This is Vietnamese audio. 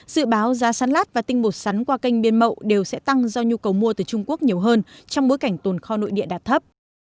dự báo giá sắn lát và tinh bột sắn qua kênh biên mậu đều sẽ tăng do nhu cầu mua từ trung quốc nhiều hơn trong bối cảnh tồn kho nội địa đạt thấp